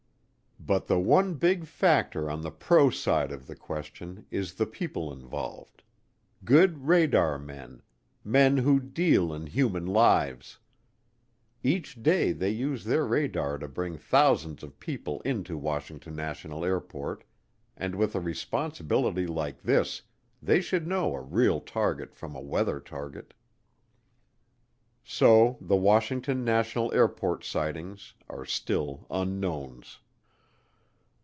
But the one big factor on the pro side of the question is the people involved good radar men men who deal in human lives. Each day they use their radar to bring thousands of people into Washington National Airport and with a responsibility like this they should know a real target from a weather target. So the Washington National Airport Sightings are still unknowns.